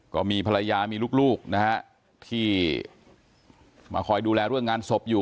ก็มีภรรยามีลูกนะฮะที่มาคอยดูแลเรื่องงานศพอยู่